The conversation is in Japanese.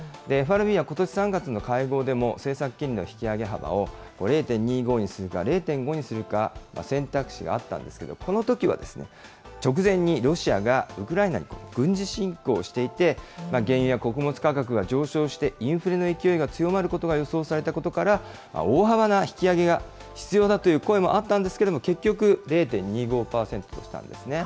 ＦＲＢはことし３月の会合でも、政策金利の引き上げ幅を、０．２５にするか、０．５にするか、選択肢があったんですけど、このときは、直前にロシアがウクライナに軍事侵攻していて、原油や穀物価格が上昇して、インフレの勢いが強まることが予想されたことから、大幅な引き上げが必要だという声もあったんですけれども、結局、０．２５％にしたんですね。